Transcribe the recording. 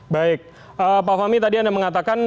baik pak fahmi tadi anda mengatakan